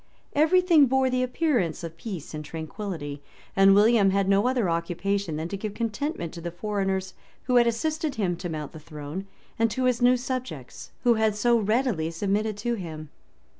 [] Every thing bore the appearance of peace and tranquillity; and William had no other occupation than to give contentment to the foreigners who had assisted him to mount the throne, and to his new subjects, who had so readily submitted to him.